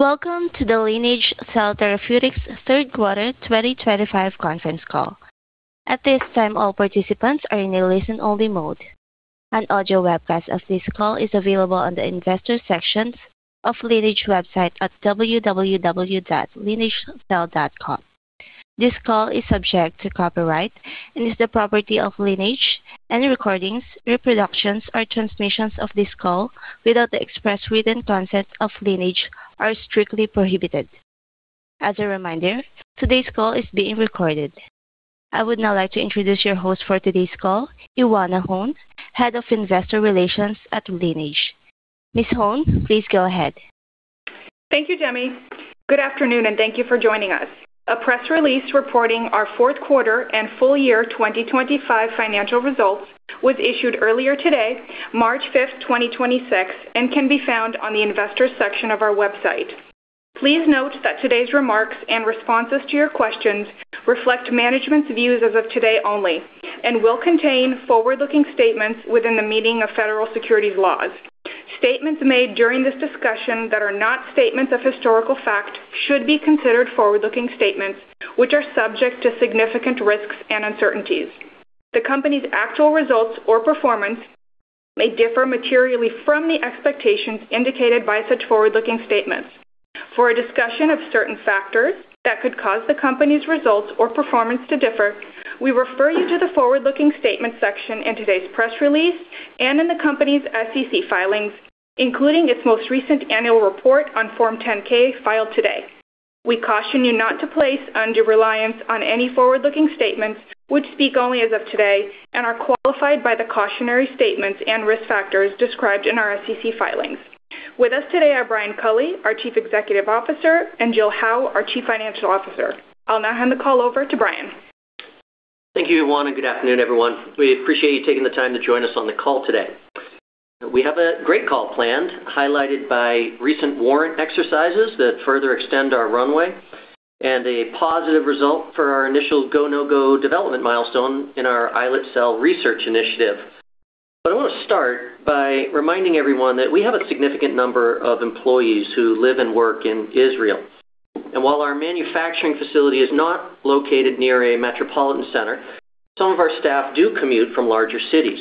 Welcome to the Lineage Cell Therapeutics 3rd Quarter 2025 Conference Call. At this time, all participants are in a listen-only mode. An audio webcast of this call is available on the Investors section of Lineage website at www.lineagecell.com. This call is subject to copyright and is the property of Lineage. Any recordings, reproductions or transmissions of this call without the express written consent of Lineage are strictly prohibited. As a reminder, today's call is being recorded. I would now like to introduce your host for today's call, Ioana Hone, Head of Investor Relations at Lineage. Ms. Hone, please go ahead. Thank you, Demi. Good afternoon, and thank you for joining us. A press release reporting our Fourth Quarter and Full Year 2025 Financial Results was issued earlier today, March 5th, 2026, and can be found on the Investors section of our website. Please note that today's remarks and responses to your questions reflect management's views as of today only and will contain forward-looking statements within the meaning of federal securities laws. Statements made during this discussion that are not statements of historical fact should be considered forward-looking statements, which are subject to significant risks and uncertainties. The company's actual results or performance may differ materially from the expectations indicated by such forward-looking statements. For a discussion of certain factors that could cause the company's results or performance to differ, we refer you to the forward-looking statements section in today's press release and in the company's SEC filings, including its most recent annual report on Form 10-K filed today. We caution you not to place undue reliance on any forward-looking statements which speak only as of today and are qualified by the cautionary statements and risk factors described in our SEC filings. With us today are Brian Culley, our Chief Executive Officer, and Jill Howe, our Chief Financial Officer. I'll now hand the call over to Brian. Thank you, Ioana, good afternoon, everyone. We appreciate you taking the time to join us on the call today. We have a great call planned, highlighted by recent warrant exercises that further extend our runway and a positive result for our initial go/no-go development milestone in our islet cell research initiative. I want to start by reminding everyone that we have a significant number of employees who live and work in Israel, and while our manufacturing facility is not located near a metropolitan center, some of our staff do commute from larger cities.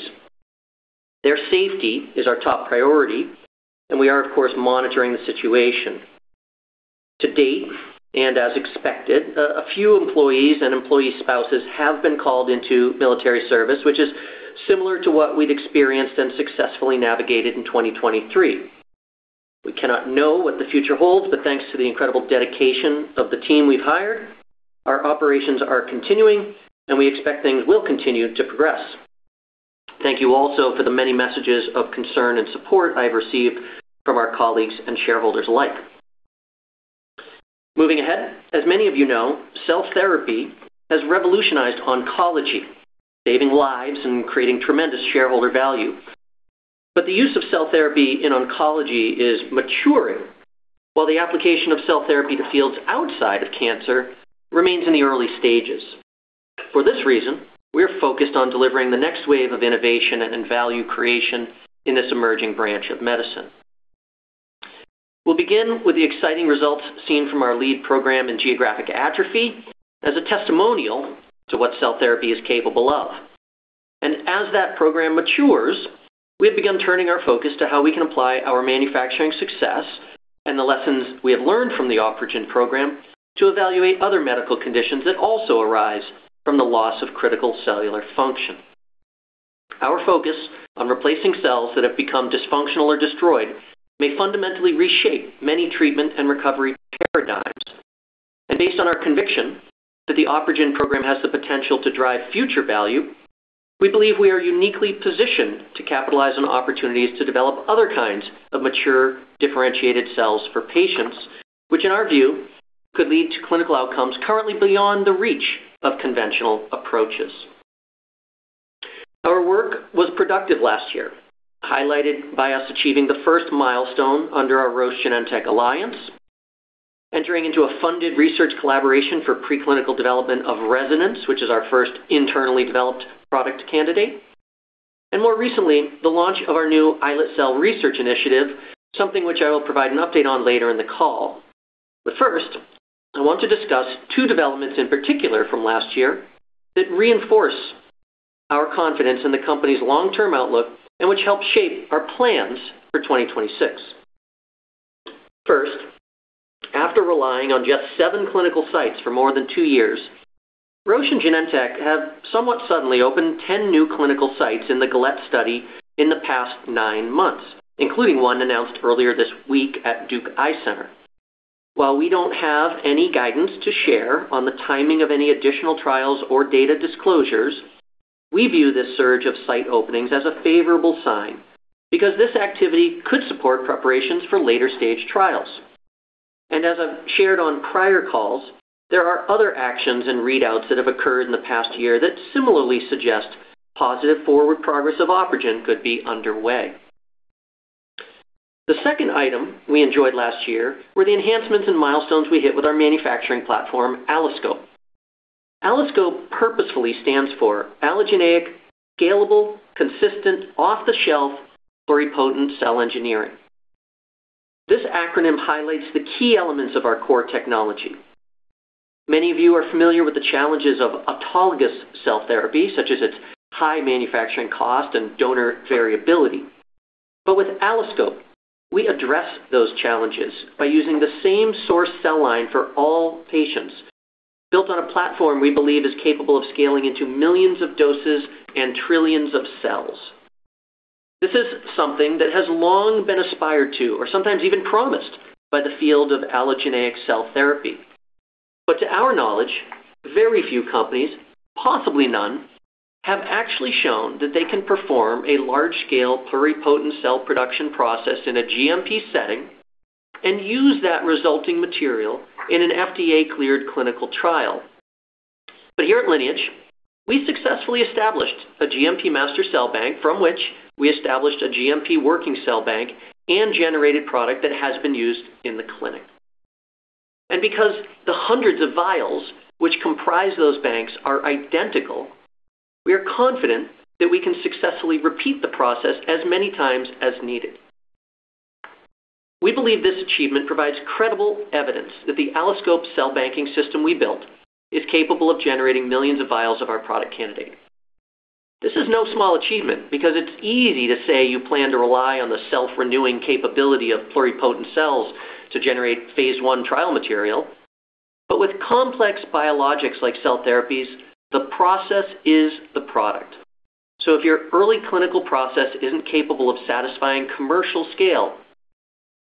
Their safety is our top priority, and we are of course, monitoring the situation. To date, and as expected, a few employees and employee spouses have been called into military service, which is similar to what we'd experienced and successfully navigated in 2023. We cannot know what the future holds, thanks to the incredible dedication of the team we've hired, our operations are continuing, and we expect things will continue to progress. Thank you also for the many messages of concern and support I've received from our colleagues and shareholders alike. Moving ahead, as many of you know, cell therapy has revolutionized oncology, saving lives and creating tremendous shareholder value. The use of cell therapy in oncology is maturing, while the application of cell therapy to fields outside of cancer remains in the early stages. For this reason, we're focused on delivering the next wave of innovation and value creation in this emerging branch of medicine. We'll begin with the exciting results seen from our lead program in geographic atrophy as a testimonial to what cell therapy is capable of. As that program matures, we have begun turning our focus to how we can apply our manufacturing success and the lessons we have learned from the OpRegen program to evaluate other medical conditions that also arise from the loss of critical cellular function. Our focus on replacing cells that have become dysfunctional or destroyed may fundamentally reshape many treatment and recovery paradigms. Based on our conviction that the OpRegen program has the potential to drive future value, we believe we are uniquely positioned to capitalize on opportunities to develop other kinds of mature, differentiated cells for patients, which in our view, could lead to clinical outcomes currently beyond the reach of conventional approaches. Our work was productive last year, highlighted by us achieving the first milestone under our Roche Genentech alliance, entering into a funded research collaboration for preclinical development of Resonance, which is our first internally developed product candidate, and more recently, the launch of our new islet cell research initiative, something which I will provide an update on later in the call. First, I want to discuss two developments in particular from last year that reinforce our confidence in the company's long-term outlook and which help shape our plans for 2026. First, after relying on just seven clinical sites for more than two years, Roche and Genentech have somewhat suddenly opened 10 new clinical sites in the GALE study in the past nine months, including one announced earlier this week at Duke Eye Center. While we don't have any guidance to share on the timing of any additional trials or data disclosures, we view this surge of site openings as a favorable sign because this activity could support preparations for later-stage trials. As I've shared on prior calls, there are other actions and readouts that have occurred in the past year that similarly suggest positive forward progress of OpRegen could be underway. The second item we enjoyed last year were the enhancements and milestones we hit with our manufacturing platform, AlloSCOPE. AlloSCOPE purposefully stands for allogeneic, scalable, consistent, off-the-shelf, pluripotent cell engineering. This acronym highlights the key elements of our core technology. Many of you are familiar with the challenges of autologous cell therapy, such as its high manufacturing cost and donor variability. With AlloSCOPE, we address those challenges by using the same source cell line for all patients, built on a platform we believe is capable of scaling into millions of doses and trillions of cells. This is something that has long been aspired to or sometimes even promised by the field of allogeneic cell therapy. To our knowledge, very few companies, possibly none, have actually shown that they can perform a large-scale pluripotent cell production process in a GMP setting and use that resulting material in an FDA-cleared clinical trial. Here at Lineage, we successfully established a GMP master cell bank from which we established a GMP working cell bank and generated product that has been used in the clinic. Because the hundreds of vials which comprise those banks are identical, we are confident that we can successfully repeat the process as many times as needed. We believe this achievement provides credible evidence that the AlloSCOPE cell banking system we built is capable of generating millions of vials of our product candidate. This is no small achievement because it's easy to say you plan to rely on the self-renewing capability of pluripotent cells to generate phase I trial material. With complex biologics like cell therapies, the process is the product. If your early clinical process isn't capable of satisfying commercial scale,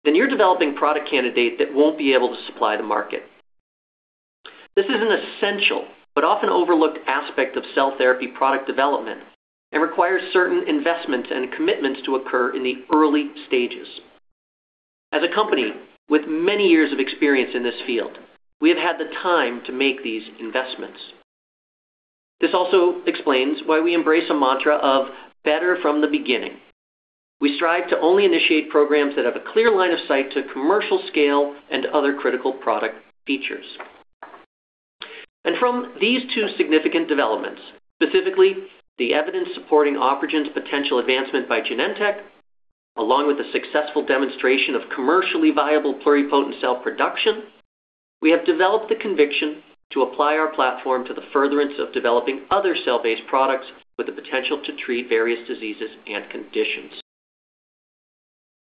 then you're developing product candidate that won't be able to supply the market. This is an essential but often overlooked aspect of cell therapy product development and requires certain investments and commitments to occur in the early stages. As a company with many years of experience in this field, we have had the time to make these investments. This also explains why we embrace a mantra of better from the beginning. We strive to only initiate programs that have a clear line of sight to commercial scale and other critical product features. From these two significant developments, specifically the evidence supporting OpRegen's potential advancement by Genentech, along with the successful demonstration of commercially viable pluripotent cell production, we have developed the conviction to apply our platform to the furtherance of developing other cell-based products with the potential to treat various diseases and conditions.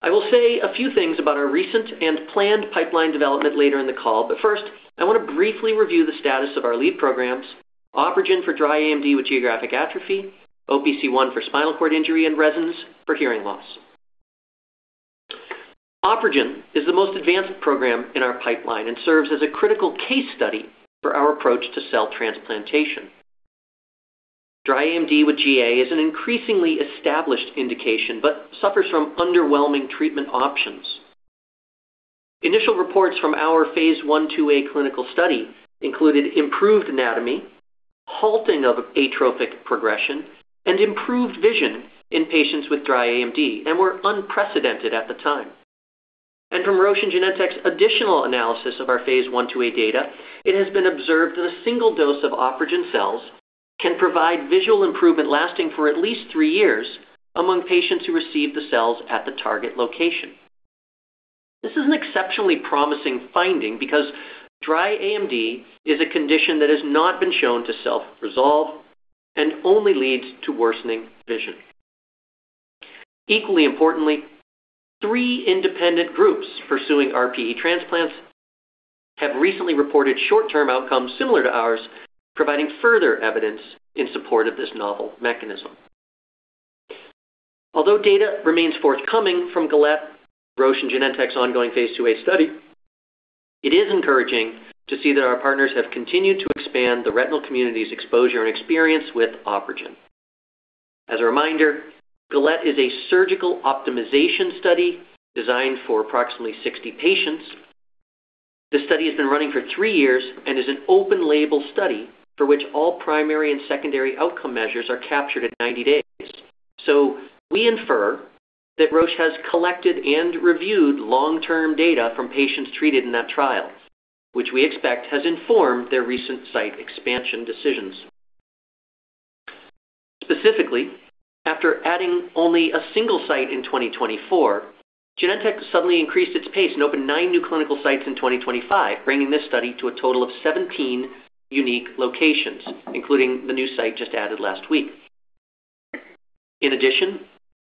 I will say a few things about our recent and planned pipeline development later in the call. First, I want to briefly review the status of our lead programs, OpRegen for dry AMD with geographic atrophy, OPC1 for spinal cord injury, and Resonance for hearing loss. OpRegen is the most advanced program in our pipeline and serves as a critical case study for our approach to cell transplantation. Dry AMD with GA is an increasingly established indication but suffers from underwhelming treatment options. Initial reports from our phase I to a clinical study included improved anatomy, halting of atrophic progression, and improved vision in patients with dry AMD and were unprecedented at the time. From Roche and Genentech's additional analysis of our phase I to a data, it has been observed that a single dose of OpRegen cells can provide visual improvement lasting for at least three years among patients who receive the cells at the target location. This is an exceptionally promising finding because dry AMD is a condition that has not been shown to self-resolve and only leads to worsening vision. Equally importantly, three independent groups pursuing RPE transplants have recently reported short-term outcomes similar to ours, providing further evidence in support of this novel mechanism. Although data remains forthcoming from GALE, Roche and Genentech's ongoing phase II-A study, it is encouraging to see that our partners have continued to expand the retinal community's exposure and experience with OpRegen. As a reminder, GALE is a surgical optimization study designed for approximately 60 patients. The study has been running for 3 years and is an open label study for which all primary and secondary outcome measures are captured at 90 days. We infer that Roche has collected and reviewed long-term data from patients treated in that trial, which we expect has informed their recent site expansion decisions. Specifically, after adding only a single site in 2024, Genentech suddenly increased its pace and opened 9 new clinical sites in 2025, bringing this study to a total of 17 unique locations, including the new site just added last week. In addition,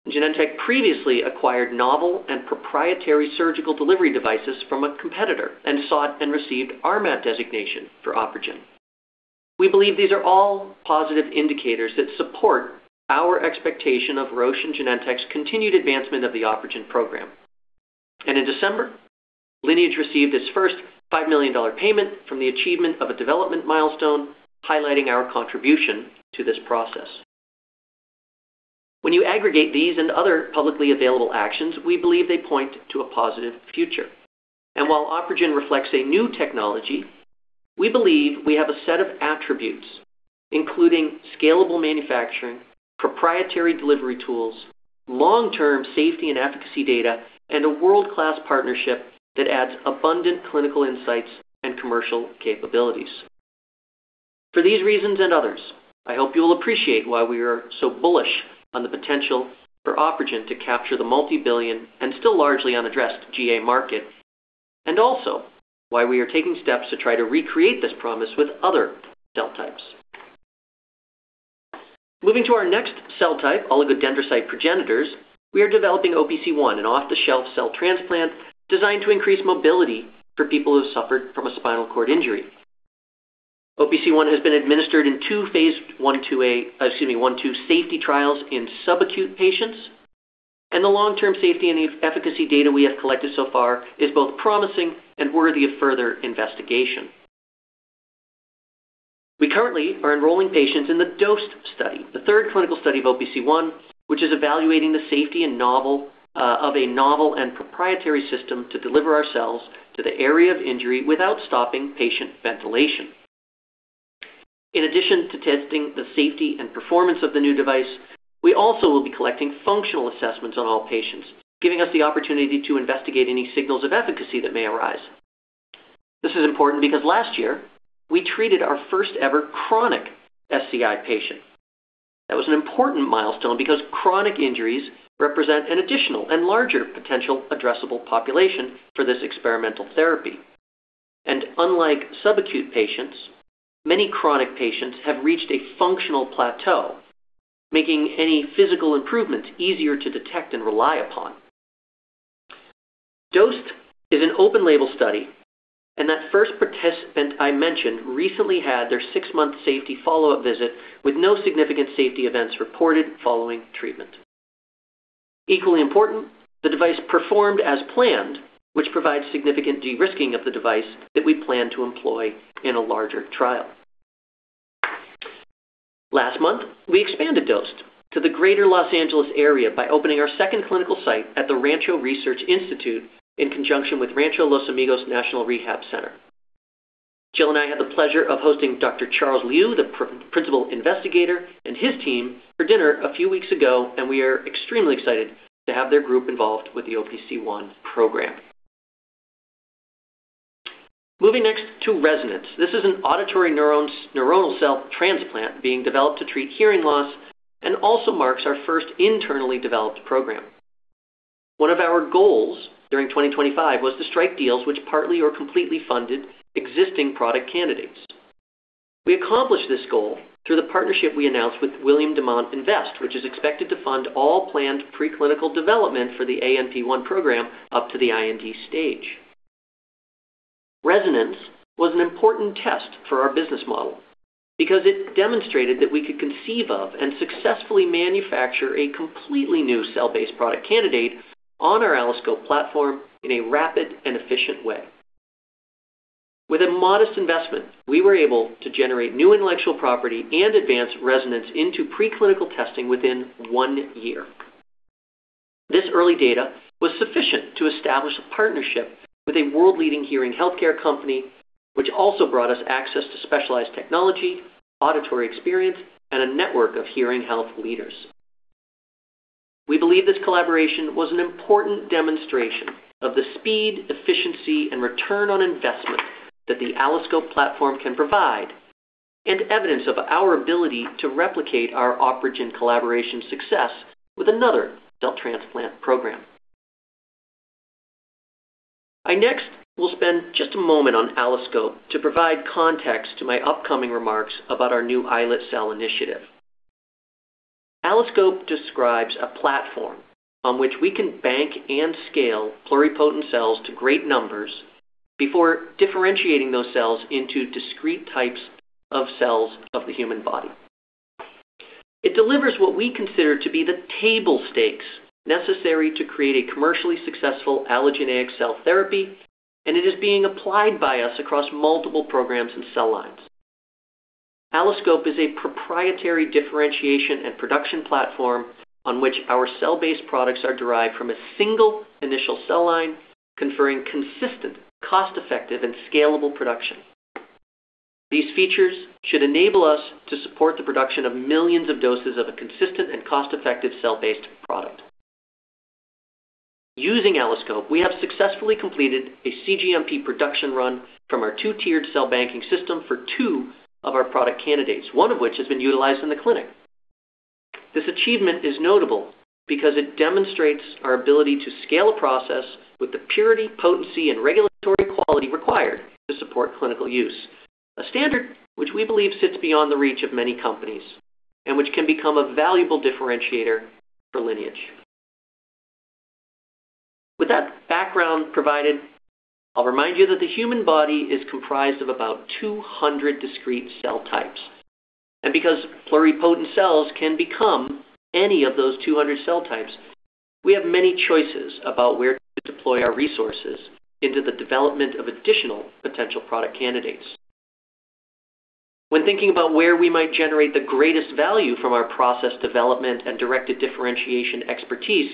Genentech previously acquired novel and proprietary surgical delivery devices from a competitor and sought and received RMAT designation for OpRegen. We believe these are all positive indicators that support our expectation of Roche and Genentech's continued advancement of the OpRegen program. In December, Lineage received its first $5 million payment from the achievement of a development milestone, highlighting our contribution to this process. When you aggregate these and other publicly available actions, we believe they point to a positive future. While OpRegen reflects a new technology, we believe we have a set of attributes, including scalable manufacturing, proprietary delivery tools, long-term safety and efficacy data, and a world-class partnership that adds abundant clinical insights and commercial capabilities. For these reasons and others, I hope you will appreciate why we are so bullish on the potential for OpRegen to capture the $multi-billion and still largely unaddressed GA market, and also why we are taking steps to try to recreate this promise with other cell types. Moving to our next cell type, oligodendrocyte progenitors, we are developing OPC1, an off-the-shelf cell transplant designed to increase mobility for people who suffered from a spinal cord injury. OPC1 has been administered in two phase I/II-A safety trials in subacute patients, and the long-term safety and efficacy data we have collected so far is both promising and worthy of further investigation. We currently are enrolling patients in the DOSED study, the third clinical study of OPC1, which is evaluating the safety and novel and proprietary system to deliver our cells to the area of injury without stopping patient ventilation. In addition to testing the safety and performance of the new device, we also will be collecting functional assessments on all patients, giving us the opportunity to investigate any signals of efficacy that may arise. This is important because last year, we treated our first-ever chronic SCI patient. That was an important milestone because chronic injuries represent an additional and larger potential addressable population for this experimental therapy. Unlike subacute patients, many chronic patients have reached a functional plateau, making any physical improvements easier to detect and rely upon. DOSED is an open label study. That first participant I mentioned recently had their 6-month safety follow-up visit with no significant safety events reported following treatment. Equally important, the device performed as planned, which provides significant de-risking of the device that we plan to employ in a larger trial. Last month, we expanded DOSED to the Greater Los Angeles area by opening our second clinical site at the Rancho Research Institute in conjunction with Rancho Los Amigos National Rehab Center. Jill and I had the pleasure of hosting Dr. Charles Liu, the principal investigator, and his team for dinner a few weeks ago, and we are extremely excited to have their group involved with the OPC1 program. Moving next to Resonance. This is an auditory neuronal cell transplant being developed to treat hearing loss and also marks our first internally developed program. One of our goals during 2025 was to strike deals which partly or completely funded existing product candidates. We accomplished this goal through the partnership we announced with William Demant Invest, which is expected to fund all planned preclinical development for the ANP1 program up to the IND stage. Resonance was an important test for our business model because it demonstrated that we could conceive of and successfully manufacture a completely new cell-based product candidate on our AlloSCOPE platform in a rapid and efficient way. With a modest investment, we were able to generate new intellectual property and advance Resonance into preclinical testing within 1 year. This early data was sufficient to establish a partnership with a world-leading hearing healthcare company, which also brought us access to specialized technology, auditory experience, and a network of hearing health leaders. We believe this collaboration was an important demonstration of the speed, efficiency, and return on investment that the AlloSCOPE platform can provide and evidence of our ability to replicate our OpRegen collaboration success with another cell transplant program. I next will spend just a moment on AlloSCOPE to provide context to my upcoming remarks about our new islet cell initiative. AlloSCOPE describes a platform on which we can bank and scale pluripotent cells to great numbers before differentiating those cells into discrete types of cells of the human body. It delivers what we consider to be the table stakes necessary to create a commercially successful allogeneic cell therapy, and it is being applied by us across multiple programs and cell lines. AlloSCOPE is a proprietary differentiation and production platform on which our cell-based products are derived from a single initial cell line, conferring consistent, cost-effective, and scalable production. These features should enable us to support the production of millions of doses of a consistent and cost-effective cell-based product. Using AlloSCOPE, we have successfully completed a cGMP production run from our 2-tiered cell banking system for 2 of our product candidates, one of which has been utilized in the clinic. This achievement is notable because it demonstrates our ability to scale a process with the purity, potency, and regulatory quality required to support clinical use, a standard which we believe sits beyond the reach of many companies and which can become a valuable differentiator for Lineage. With that background provided, I'll remind you that the human body is comprised of about 200 discrete cell types. Because pluripotent cells can become any of those 200 cell types, we have many choices about where to deploy our resources into the development of additional potential product candidates. When thinking about where we might generate the greatest value from our process development and directed differentiation expertise.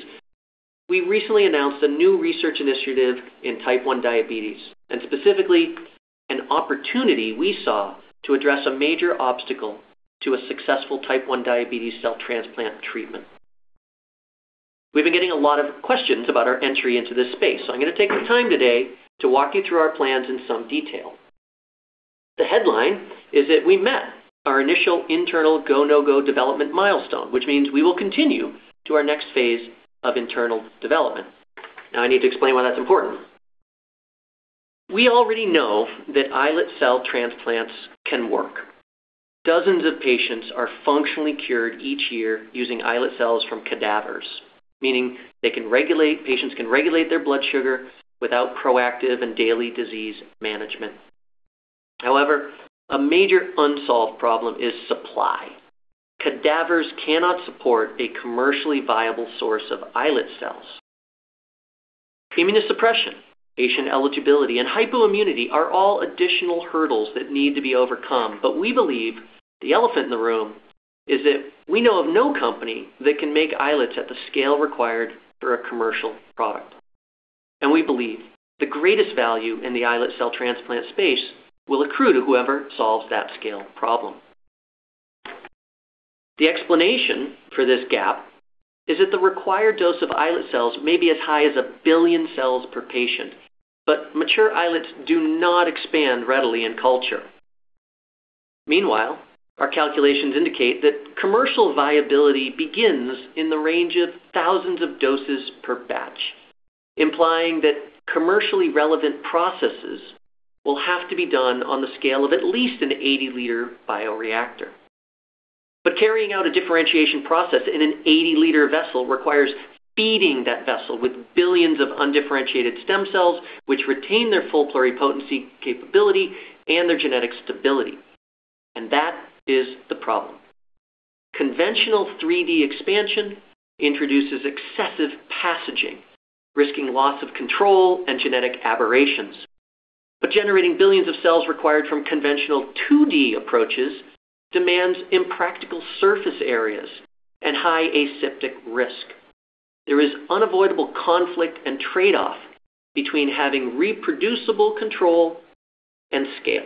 We recently announced a new research initiative in type one diabetes and specifically an opportunity we saw to address a major obstacle to a successful type one diabetes cell transplant treatment. We've been getting a lot of questions about our entry into this space, I'm going to take some time today to walk you through our plans in some detail. The headline is that we met our initial internal go no go development milestone, which means we will continue to our next phase of internal development. I need to explain why that's important. We already know that islet cell transplants can work. Dozens of patients are functionally cured each year using islet cells from cadavers, meaning patients can regulate their blood sugar without proactive and daily disease management. A major unsolved problem is supply. Cadavers cannot support a commercially viable source of islet cells. Immunosuppression, patient eligibility, and hypoimmunity are all additional hurdles that need to be overcome. We believe the elephant in the room is that we know of no company that can make islets at the scale required for a commercial product. We believe the greatest value in the islet cell transplant space will accrue to whoever solves that scale problem. The explanation for this gap is that the required dose of islet cells may be as high as 1 billion cells per patient, but mature islets do not expand readily in culture. Our calculations indicate that commercial viability begins in the range of thousands of doses per batch, implying that commercially relevant processes will have to be done on the scale of at least an 80-liter bioreactor. Carrying out a differentiation process in an 80-liter vessel requires feeding that vessel with billions of undifferentiated stem cells, which retain their full pluripotency capability and their genetic stability, and that is the problem. Conventional 3D expansion introduces excessive passaging, risking loss of control and genetic aberrations. Generating billions of cells required from conventional 2D approaches demands impractical surface areas and high aseptic risk. There is unavoidable conflict and trade-off between having reproducible control and scale.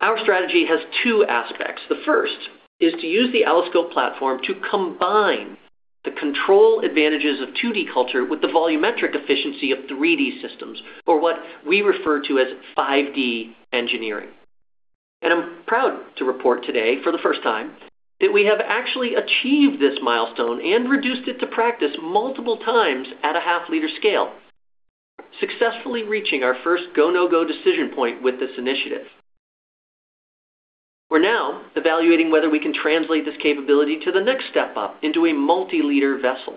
Our strategy has two aspects. The first is to use the AlloSCOPE platform to combine the control advantages of 2D culture with the volumetric efficiency of 3D systems, or what we refer to as 5D engineering. I'm proud to report today, for the first time, that we have actually achieved this milestone and reduced it to practice multiple times at a half-liter scale, successfully reaching our first go no go decision point with this initiative. We're now evaluating whether we can translate this capability to the next step up into a multi-liter vessel.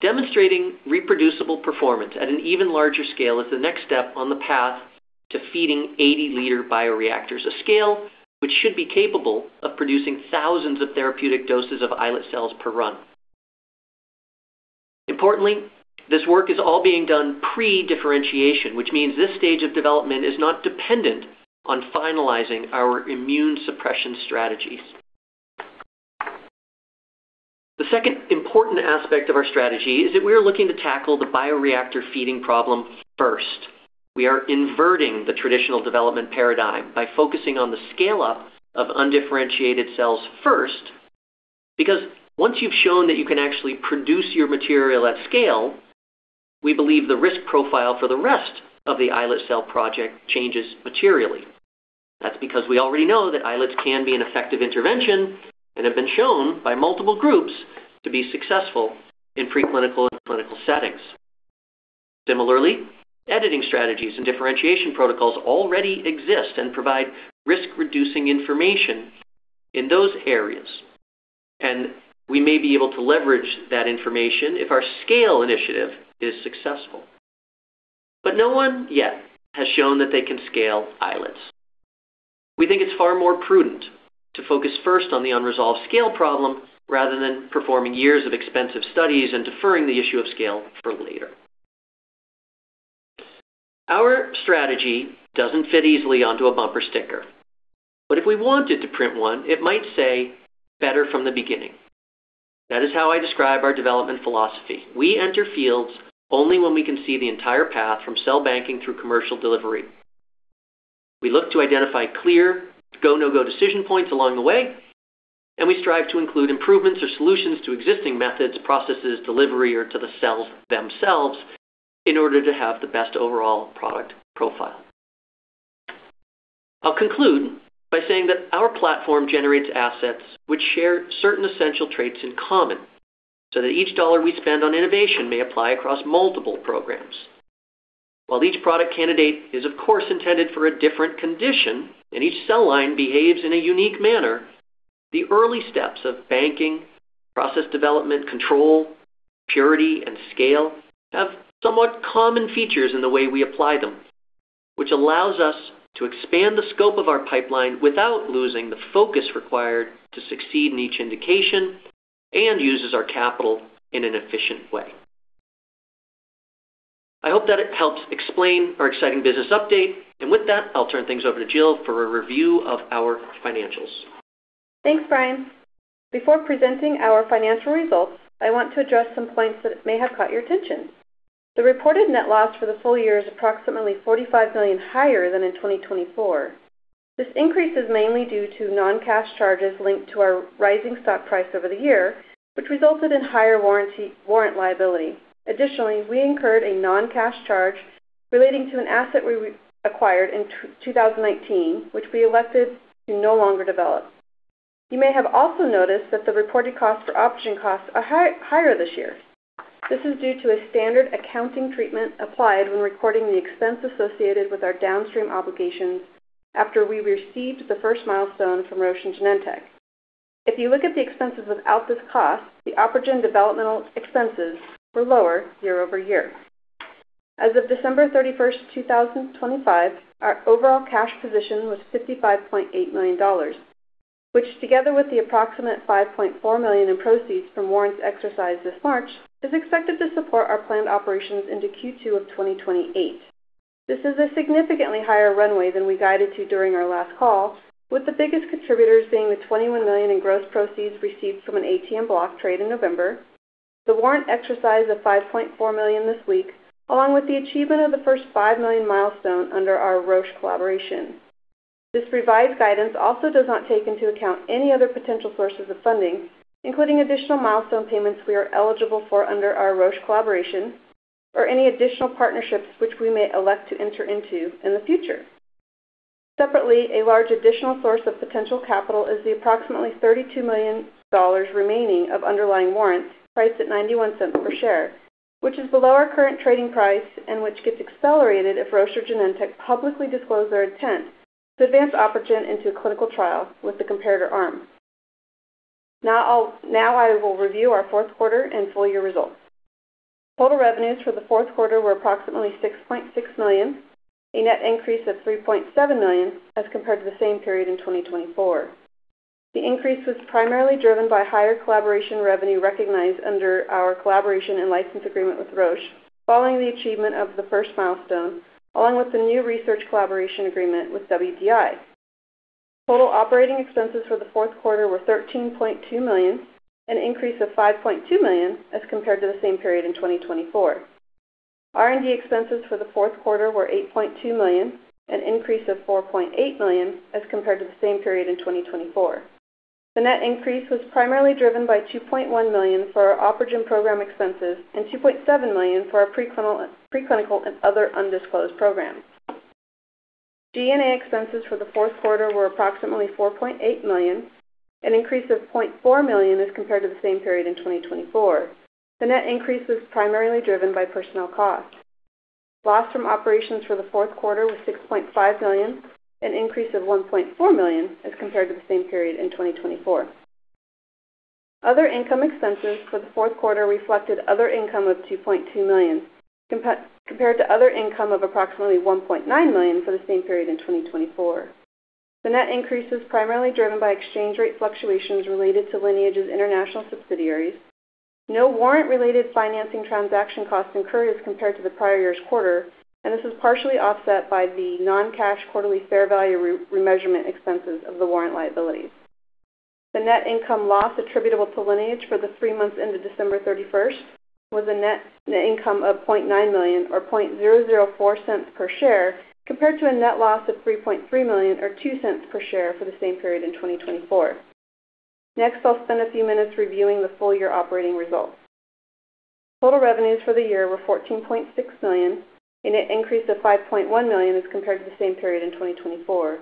Demonstrating reproducible performance at an even larger scale is the next step on the path to feeding 80-liter bioreactors, a scale which should be capable of producing thousands of therapeutic doses of islet cells per run. Importantly, this work is all being done pre-differentiation, which means this stage of development is not dependent on finalizing our immune suppression strategies. The second important aspect of our strategy is that we are looking to tackle the bioreactor feeding problem first. We are inverting the traditional development paradigm by focusing on the scale-up of undifferentiated cells first, because once you've shown that you can actually produce your material at scale, we believe the risk profile for the rest of the islet cell project changes materially. That's because we already know that islets can be an effective intervention and have been shown by multiple groups to be successful in preclinical and clinical settings. Similarly, editing strategies and differentiation protocols already exist and provide risk-reducing information in those areas, and we may be able to leverage that information if our scale initiative is successful. No one yet has shown that they can scale islets. We think it's far more prudent to focus first on the unresolved scale problem rather than performing years of expensive studies and deferring the issue of scale for later. Our strategy doesn't fit easily onto a bumper sticker, but if we wanted to print one, it might say, "Better from the beginning." That is how I describe our development philosophy. We enter fields only when we can see the entire path from cell banking through commercial delivery. We look to identify clear go no go decision points along the way, and we strive to include improvements or solutions to existing methods, processes, delivery, or to the cells themselves in order to have the best overall product profile. I'll conclude by saying that our platform generates assets which share certain essential traits in common, so that each dollar we spend on innovation may apply across multiple programs. While each product candidate is of course intended for a different condition and each cell line behaves in a unique manner, the early steps of banking, process development, control, purity, and scale have somewhat common features in the way we apply them, which allows us to expand the scope of our pipeline without losing the focus required to succeed in each indication and uses our capital in an efficient way. I hope that it helps explain our exciting business update. With that, I'll turn things over to Jill for a review of our financials. Thanks, Brian. Before presenting our financial results, I want to address some points that may have caught your attention. The reported net loss for the full year is approximately $45 million higher than in 2024. This increase is mainly due to non-cash charges linked to our rising stock price over the year, which resulted in higher warrant liability. Additionally, we incurred a non-cash charge relating to an asset we acquired in 2018, which we elected to no longer develop. You may have also noticed that the reported cost for OpRegen costs are higher this year. This is due to a standard accounting treatment applied when recording the expense associated with our downstream obligations after we received the first milestone from Roche Genentech. If you look at the expenses without this cost, the OpRegen developmental expenses were lower year over year. As of December 31, 2025, our overall cash position was $55.8 million, which together with the approximate $5.4 million in proceeds from warrants exercised this March, is expected to support our planned operations into Q2 of 2028. This is a significantly higher runway than we guided to during our last call, with the biggest contributors being the $21 million in gross proceeds received from an ATM block trade in November, the warrant exercise of $5.4 million this week, along with the achievement of the first $5 million milestone under our Roche collaboration. This revised guidance also does not take into account any other potential sources of funding, including additional milestone payments we are eligible for under our Roche collaboration or any additional partnerships which we may elect to enter into in the future. Separately, a large additional source of potential capital is the approximately $32 million remaining of underlying warrants priced at $0.91 per share, which is below our current trading price and which gets accelerated if Roche or Genentech publicly disclose their intent to advance OpRegen into clinical trials with the comparator arm. Now I will review our fourth quarter and full year results. Total revenues for the fourth quarter were approximately $6.6 million, a net increase of $3.7 million as compared to the same period in 2024. The increase was primarily driven by higher collaboration revenue recognized under our collaboration and license agreement with Roche following the achievement of the first milestone, along with the new research collaboration agreement with WDI. Total operating expenses for the fourth quarter were $13.2 million, an increase of $5.2 million as compared to the same period in 2024. R&D expenses for the fourth quarter were $8.2 million, an increase of $4.8 million as compared to the same period in 2024. The net increase was primarily driven by $2.1 million for our OpRegen program expenses and $2.7 million for our preclinical and other undisclosed programs. G&A expenses for the fourth quarter were approximately $4.8 million, an increase of $0.4 million as compared to the same period in 2024. The net increase was primarily driven by personnel costs. Loss from operations for the fourth quarter was $6.5 million, an increase of $1.4 million as compared to the same period in 2024. Other income expenses for the fourth quarter reflected other income of $2.2 million, compared to other income of approximately $1.9 million for the same period in 2024. The net increase is primarily driven by exchange rate fluctuations related to Lineage's international subsidiaries. No warrant-related financing transaction costs incurred as compared to the prior year's quarter, and this is partially offset by the non-cash quarterly fair value remeasurement expenses of the warrant liabilities. The net income loss attributable to Lineage for the three months ended December thirty-first was a net income of $0.9 million or $0.004 per share, compared to a net loss of $3.3 million or $0.02 per share for the same period in 2024. Next, I'll spend a few minutes reviewing the full year operating results. Total revenues for the year were $14.6 million in an increase of $5.1 million as compared to the same period in 2024.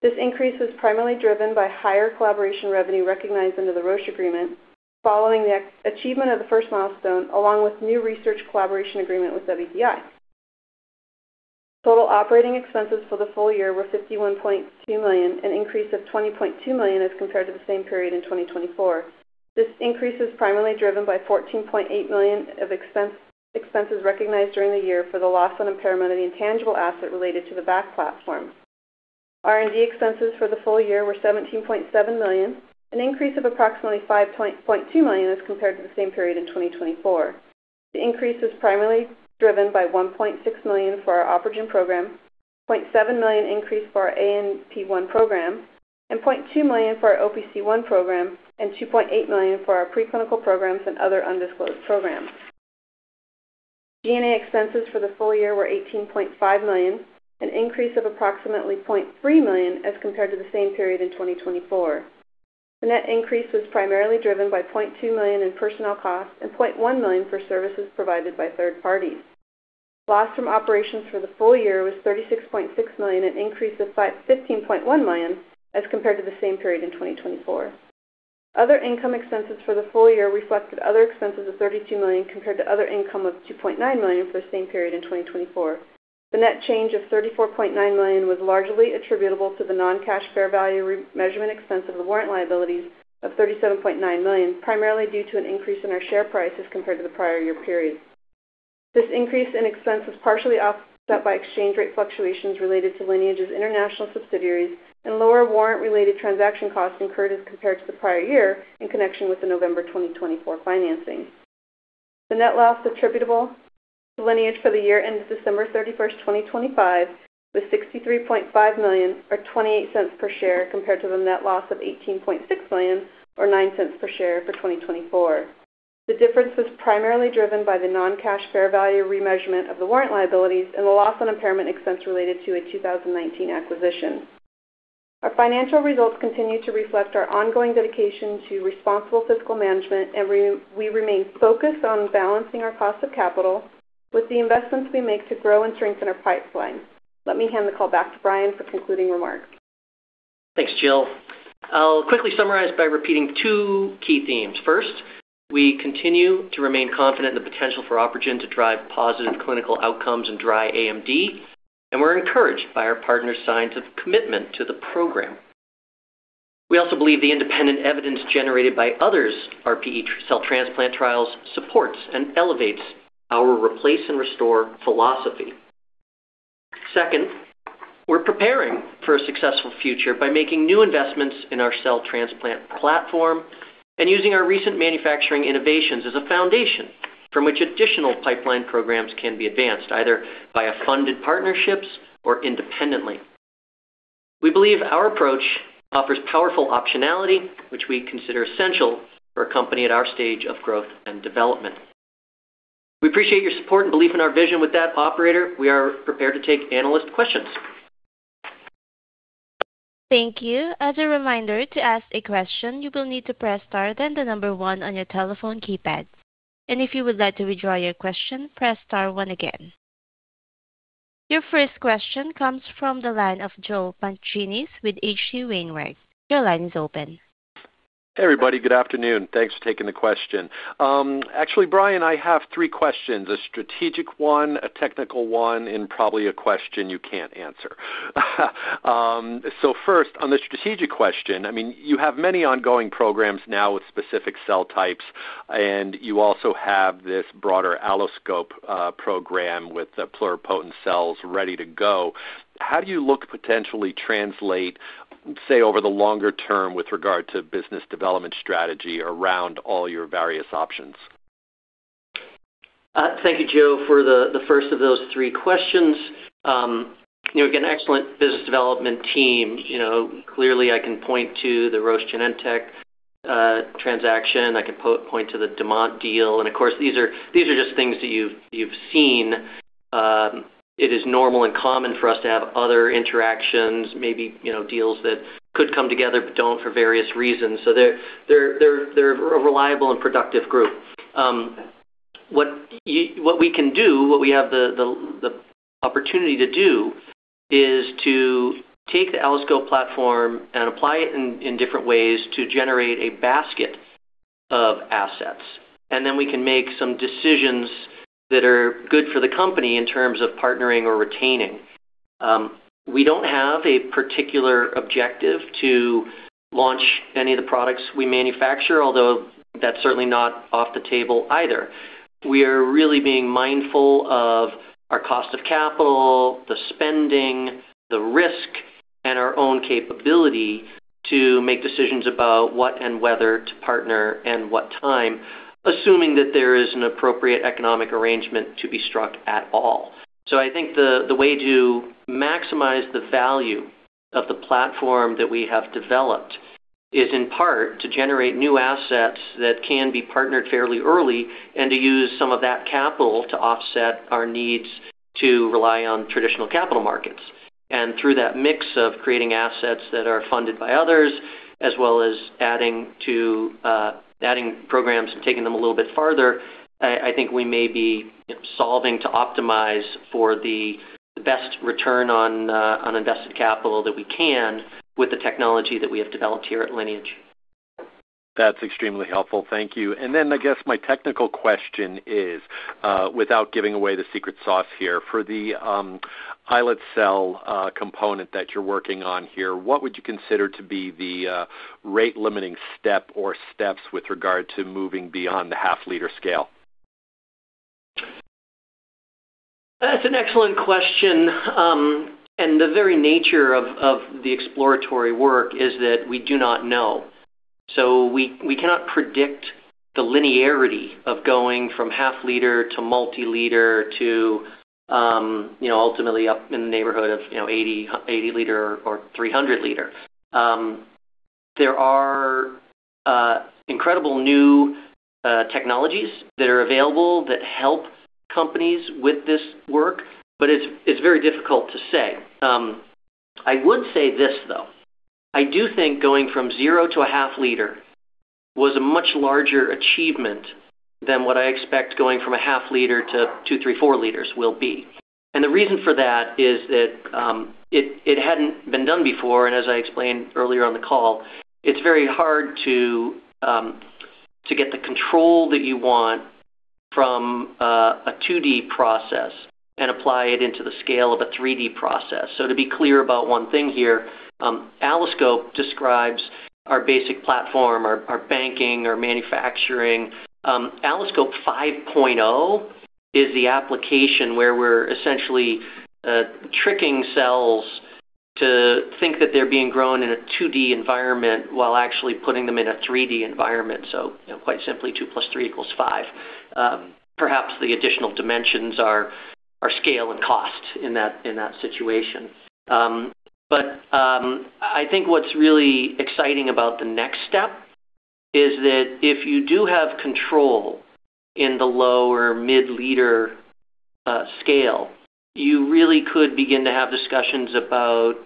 This increase was primarily driven by higher collaboration revenue recognized under the Roche Agreement following the achievement of the first milestone, along with new research collaboration agreement with WDI. Total operating expenses for the full year were $51.2 million, an increase of $20.2 million as compared to the same period in 2024. This increase is primarily driven by $14.8 million of expenses recognized during the year for the loss and impairment of the intangible asset related to the VAC platform. R&D expenses for the full year were $17.7 million, an increase of approximately $5.2 million as compared to the same period in 2024. The increase was primarily driven by $1.6 million for our OpRegen program, $0.7 million increase for our ANP1 program, and $0.2 million for our OPC1 program, and $2.8 million for our preclinical programs and other undisclosed programs. G&A expenses for the full year were $18.5 million, an increase of approximately $0.3 million as compared to the same period in 2024. The net increase was primarily driven by $0.2 million in personnel costs and $0.1 million for services provided by third parties. Loss from operations for the full year was $36.6 million, an increase of $15.1 million as compared to the same period in 2024. Other income expenses for the full year reflected other expenses of $32 million compared to other income of $2.9 million for the same period in 2024. The net change of $34.9 million was largely attributable to the non-cash fair value remeasurement expense of the warrant liabilities of $37.9 million, primarily due to an increase in our share price as compared to the prior year period. This increase in expense was partially offset by exchange rate fluctuations related to Lineage's international subsidiaries and lower warrant-related transaction costs incurred as compared to the prior year in connection with the November 2024 financing. The net loss attributable to Lineage for the year ended December 31st, 2025 was $63.5 million, or $0.28 per share, compared to the net loss of $18.6 million, or $0.09 per share for 2024. The difference was primarily driven by the non-cash fair value remeasurement of the warrant liabilities and the loss on impairment expense related to a 2019 acquisition. Our financial results continue to reflect our ongoing dedication to responsible fiscal management, and we remain focused on balancing our cost of capital with the investments we make to grow and strengthen our pipeline. Let me hand the call back to Brian for concluding remarks. Thanks, Jill. I'll quickly summarize by repeating two key themes. First, we continue to remain confident in the potential for OpRegen to drive positive clinical outcomes in dry AMD. We're encouraged by our partner signs of commitment to the program. We also believe the independent evidence generated by others RPE cell transplant trials supports and elevates our replace and restore philosophy. Second, we're preparing for a successful future by making new investments in our cell transplant platform and using our recent manufacturing innovations as a foundation from which additional pipeline programs can be advanced, either via funded partnerships or independently. We believe our approach offers powerful optionality, which we consider essential for a company at our stage of growth and development. We appreciate your support and belief in our vision. With that operator, we are prepared to take analyst questions. Thank you. As a reminder, to ask a question, you will need to press star, then the number one on your telephone keypad. If you would like to withdraw your question, press star one again. Your first question comes from the line of Joe Pantginis with H.C. Wainwright. Your line is open. Hey, everybody. Good afternoon. Thanks for taking the question. Actually, Brian, I have three questions, a strategic one, a technical one, and probably a question you can't answer. First, on the strategic question, I mean, you have many ongoing programs now with specific cell types, and you also have this broader AlloSCOPE program with the pluripotent cells ready to go. How do you look potentially translate, say, over the longer term with regard to business development strategy around all your various options? Thank you, Joe, for the first of those 3 questions. You know, again, excellent business development team. You know, clearly, I can point to the Roche Genentech transaction. I can point to the Demant deal. Of course, these are just things that you've seen. It is normal and common for us to have other interactions, maybe, you know, deals that could come together but don't for various reasons. They're a reliable and productive group. What we can do, what we have the opportunity to do is to take the AlloScope platform and apply it in different ways to generate a basket of assets. We can make some decisions that are good for the company in terms of partnering or retaining. We don't have a particular objective to launch any of the products we manufacture, although that's certainly not off the table either. We are really being mindful of our cost of capital, the spending, the risk, and our own capability to make decisions about what and whether to partner and what time, assuming that there is an appropriate economic arrangement to be struck at all. I think the way to maximize the value of the platform that we have developed is, in part, to generate new assets that can be partnered fairly early and to use some of that capital to offset our needs to rely on traditional capital markets. Through that mix of creating assets that are funded by others, as well as adding to, adding programs and taking them a little bit farther, I think we may be solving to optimize for the best return on invested capital that we can with the technology that we have developed here at Lineage. That's extremely helpful. Thank you. I guess my technical question is, without giving away the secret sauce here, for the islet cell component that you're working on here, what would you consider to be the rate-limiting step or steps with regard to moving beyond the half-liter scale? That's an excellent question. The very nature of the exploratory work is that we do not know. We cannot predict the linearity of going from half liter to multi-liter to, you know, ultimately up in the neighborhood of, you know, 80 liter or 300 liter. There are incredible new technologies that are available that help companies with this work. It's very difficult to say. I would say this, though. I do think going from 0 to a half liter was a much larger achievement than what I expect going from a half liter to 2, 3, 4 liters will be. The reason for that is that it hadn't been done before, and as I explained earlier on the call, it's very hard to get the control that you want from a 2D process and apply it into the scale of a 3D process. To be clear about one thing here, AlloScope describes our basic platform, our banking, our manufacturing. AlloScope 5.0 is the application where we're essentially tricking cells to think that they're being grown in a 2D environment while actually putting them in a 3D environment. You know, quite simply, 2 plus 3 equals 5. Perhaps the additional dimensions are scale and cost in that situation. I think what's really exciting about the next step is that if you do have control in the lower mid-liter scale, you really could begin to have discussions about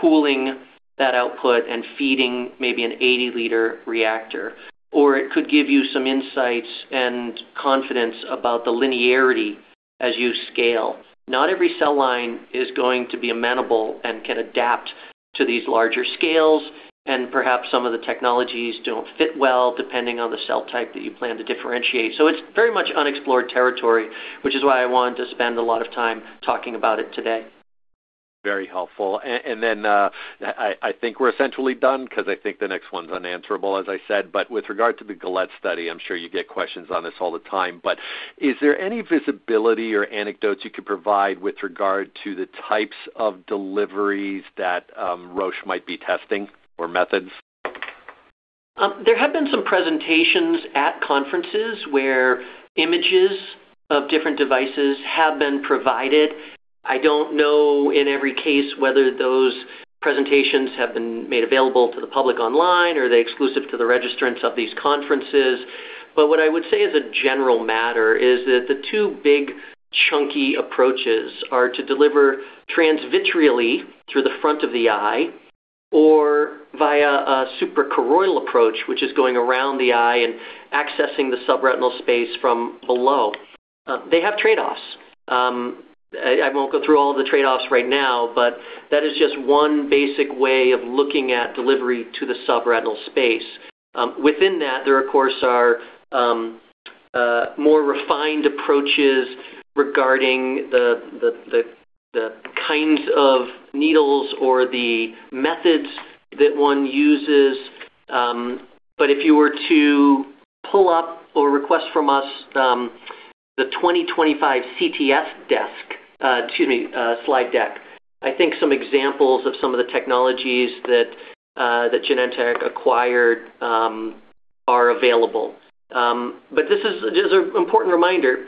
pooling that output and feeding maybe an 80-liter reactor. It could give you some insights and confidence about the linearity as you scale. Not every cell line is going to be amenable and can adapt to these larger scales, and perhaps some of the technologies don't fit well, depending on the cell type that you plan to differentiate. It's very much unexplored territory, which is why I wanted to spend a lot of time talking about it today. Very helpful. I think we're essentially done 'cause I think the next one's unanswerable, as I said. With regard to the GALE study, I'm sure you get questions on this all the time, but is there any visibility or anecdotes you could provide with regard to the types of deliveries that Roche might be testing or methods? There have been some presentations at conferences where images of different devices have been provided. I don't know in every case whether those presentations have been made available to the public online, or are they exclusive to the registrants of these conferences. What I would say as a general matter is that the two big chunky approaches are to deliver transvitreally through the front of the eye or via a suprachoroidal approach, which is going around the eye and accessing the subretinal space from below. They have trade-offs. I won't go through all the trade-offs right now, but that is just one basic way of looking at delivery to the subretinal space. Within that, there of course are more refined approaches regarding the kinds of needles or the methods that one uses. If you were to pull up or request from us, the 2025 CTS slide deck, I think some examples of some of the technologies that Genentech acquired are available. This is just an important reminder.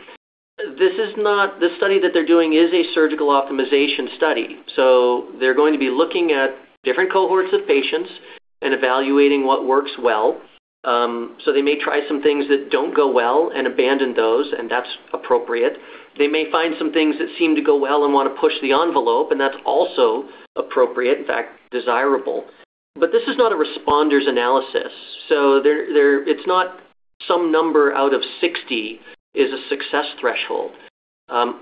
This is not. The study that they're doing is a surgical optimization study. They're going to be looking at different cohorts of patients and evaluating what works well. They may try some things that don't go well and abandon those, and that's appropriate. They may find some things that seem to go well and wanna push the envelope, and that's also appropriate, in fact, desirable. This is not a responder's analysis. There. It's not some number out of 60 is a success threshold.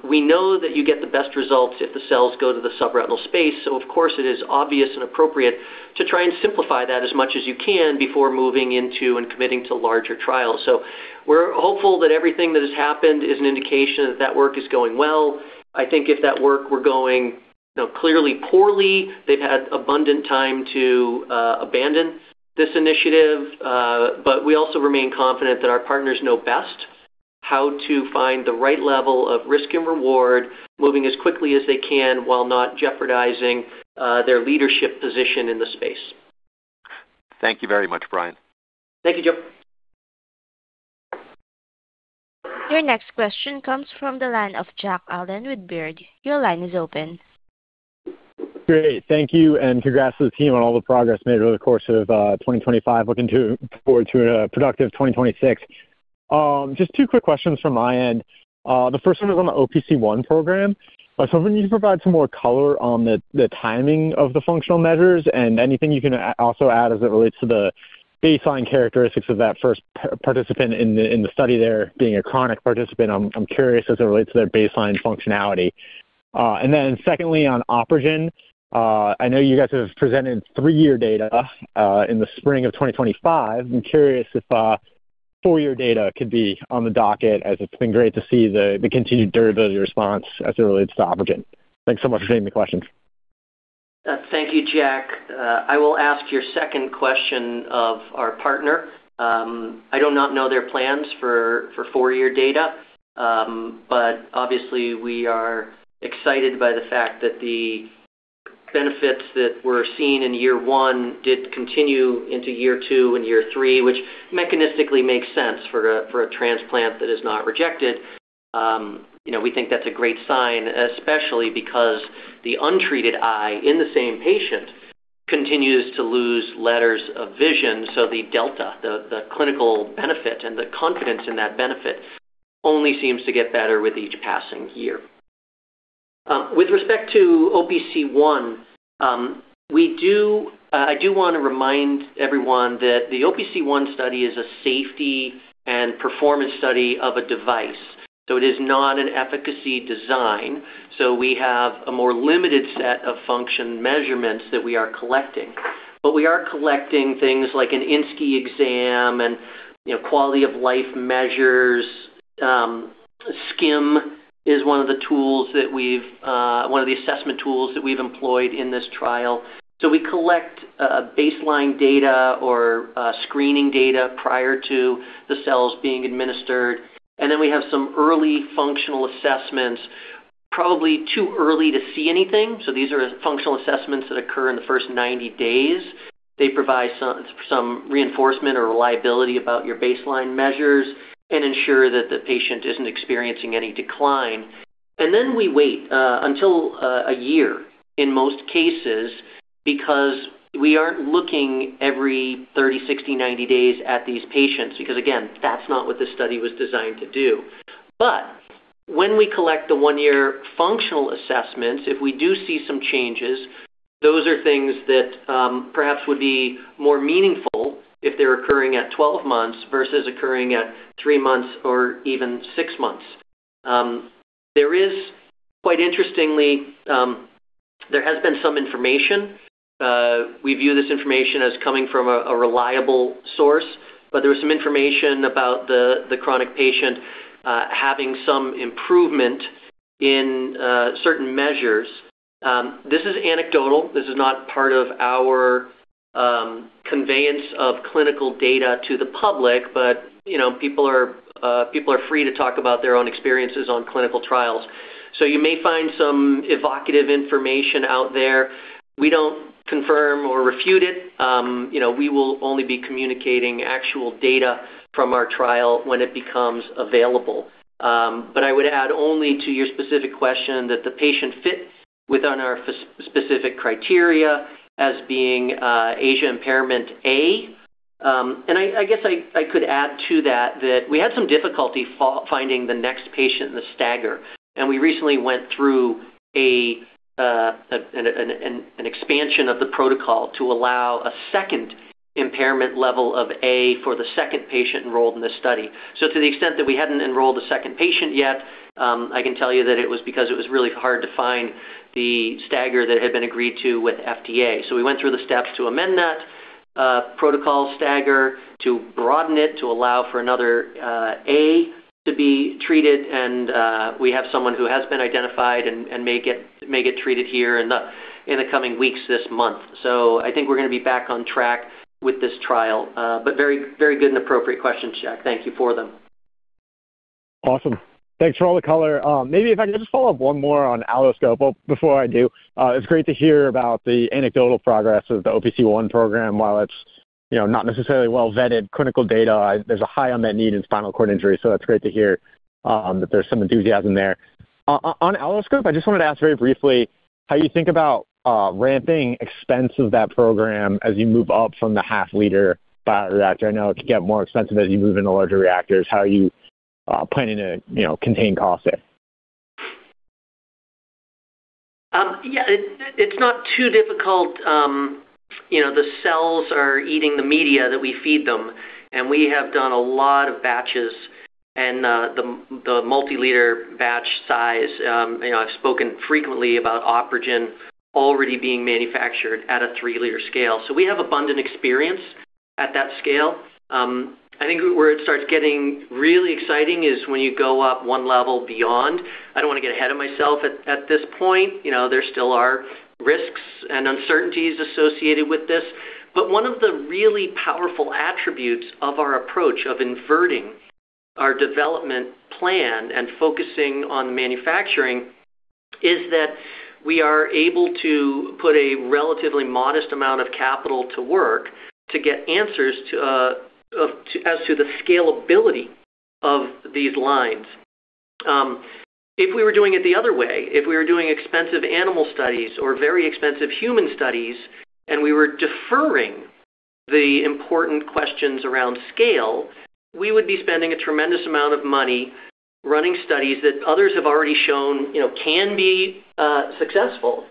We know that you get the best results if the cells go to the subretinal space, of course it is obvious and appropriate to try and simplify that as much as you can before moving into and committing to larger trials. We're hopeful that everything that has happened is an indication that that work is going well. I think if that work were going, you know, clearly poorly, they've had abundant time to abandon this initiative, we also remain confident that our partners know best how to find the right level of risk and reward, moving as quickly as they can while not jeopardizing their leadership position in the space. Thank you very much, Brian. Thank you, Joe. Your next question comes from the line of Jack Allen with Baird. Your line is open. Great. Thank you, and congrats to the team on all the progress made over the course of 2025. Looking forward to a productive 2026. Just two quick questions from my end. The first one is on the OPC1 program. I was hoping you could provide some more color on the timing of the functional measures and anything you can also add as it relates to the baseline characteristics of that first participant in the study there being a chronic participant. I'm curious as it relates to their baseline functionality. Secondly, on OpRegen, I know you guys have presented three-year data in the spring of 2025. I'm curious if four-year data could be on the docket as it's been great to see the continued durability response as it relates to OpRegen. Thanks so much for taking the questions. Thank you, Jack. I will ask your second question of our partner. I do not know their plans for 4-year data, but obviously we are excited by the fact that the benefits that were seen in year 1 did continue into year 2 and year 3, which mechanistically makes sense for a transplant that is not rejected. You know, we think that's a great sign, especially because the untreated eye in the same patient continues to lose letters of vision, so the delta, the clinical benefit and the confidence in that benefit only seems to get better with each passing year. With respect to OPC1, I do want to remind everyone that the OPC1 study is a safety and performance study of a device, it is not an efficacy design, so we have a more limited set of function measurements that we are collecting. We are collecting things like an ISNCSCI exam and, you know, quality of life measures. SCIM is one of the tools that we have, one of the assessment tools that we have employed in this trial. We collect baseline data or screening data prior to the cells being administered, and then we have some early functional assessments. Probably too early to see anything. These are functional assessments that occur in the first 90 days. They provide some reinforcement or reliability about your baseline measures and ensure that the patient is not experiencing any decline. Then we wait until a year in most cases because we aren't looking every 30, 60, 90 days at these patients because, again, that's not what this study was designed to do. When we collect the 1-year functional assessments, if we do see some changes, those are things that perhaps would be more meaningful if they're occurring at 12 months versus occurring at 3 months or even 6 months. Quite interestingly, there has been some information. We view this information as coming from a reliable source, but there was some information about the chronic patient having some improvement in certain measures. This is anecdotal. This is not part of our conveyance of clinical data to the public. You know, people are free to talk about their own experiences on clinical trials. You may find some evocative information out there. We don't confirm or refute it. You know, we will only be communicating actual data from our trial when it becomes available. I would add only to your specific question that the patient fits within our specific criteria as being ASIA impairment A. I guess I could add to that we had some difficulty finding the next patient in the stagger, and we recently went through an expansion of the protocol to allow a second impairment level of A for the second patient enrolled in this study. To the extent that we hadn't enrolled a second patient yet, I can tell you that it was because it was really hard to find the stagger that had been agreed to with FDA. We went through the steps to amend that protocol stagger, to broaden it, to allow for another A to be treated. We have someone who has been identified and may get treated here in the coming weeks this month. I think we're gonna be back on track with this trial. Very, very good and appropriate questions, Jack. Thank you for them. Awesome. Thanks for all the color. Maybe if I could just follow up one more on AlloSCOPE. Before I do, it's great to hear about the anecdotal progress of the OPC1 program. While it's, you know, not necessarily well-vetted clinical data, there's a high unmet need in spinal cord injury, that's great to hear that there's some enthusiasm there. On AlloSCOPE, I just wanted to ask very briefly how you think about ramping expense of that program as you move up from the half-liter bioreactor. I know it could get more expensive as you move into larger reactors. How are you planning to, you know, contain costs there? Yeah, it's not too difficult. You know, the cells are eating the media that we feed them, and we have done a lot of batches and the multi-liter batch size, you know, I've spoken frequently about OpRegen already being manufactured at a 3-liter scale. We have abundant experience at that scale. I think where it starts getting really exciting is when you go up one level beyond. I don't wanna get ahead of myself at this point. You know, there still are risks and uncertainties associated with this. One of the really powerful attributes of our approach of inverting our development plan and focusing on manufacturing is that we are able to put a relatively modest amount of capital to work to get answers as to the scalability of these lines. If we were doing it the other way, if we were doing expensive animal studies or very expensive human studies, and we were deferring the important questions around scale, we would be spending a tremendous amount of money running studies that others have already shown, you know, can be successful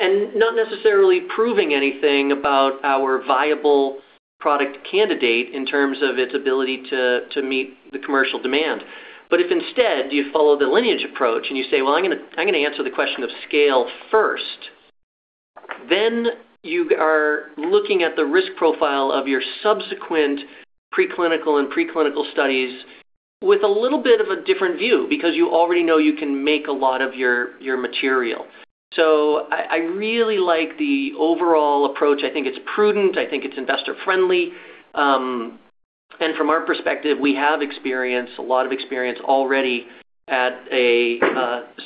and not necessarily proving anything about our viable product candidate in terms of its ability to meet the commercial demand. If instead you follow the Lineage approach and you say, "Well, I'm gonna answer the question of scale first," then you are looking at the risk profile of your subsequent preclinical and preclinical studies with a little bit of a different view because you already know you can make a lot of your material. I really like the overall approach. I think it's prudent. I think it's investor friendly. From our perspective, we have experience, a lot of experience already at a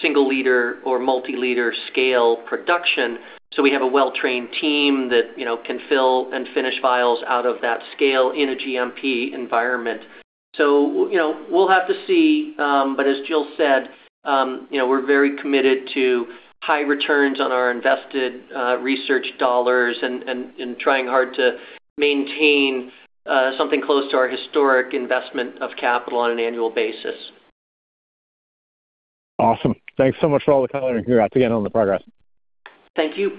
1-liter or multi-liter scale production, so we have a well-trained team that, you know, can fill and finish vials out of that scale in a GMP environment. You know, we'll have to see, but as Jill said, you know, we're very committed to high returns on our invested research dollars and trying hard to maintain something close to our historic investment of capital on an annual basis. Awesome. Thanks so much for all the color and congrats again on the progress. Thank you.